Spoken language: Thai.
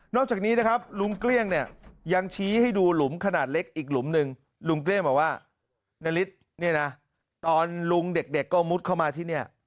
จากนี้นะครับลุงเกลี้ยงเนี่ยยังชี้ให้ดูหลุมขนาดเล็กอีกหลุมหนึ่งลุงเกลี้ยงบอกว่านาริสเนี่ยนะตอนลุงเด็กก็มุดเข้ามาที่เนี่ย